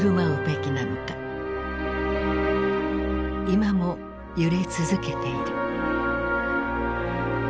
今も揺れ続けている。